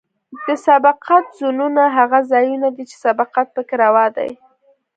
د سبقت زونونه هغه ځایونه دي چې سبقت پکې روا دی